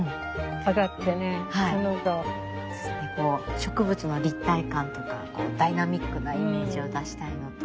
植物の立体感とかこうダイナミックなイメージを出したいのと。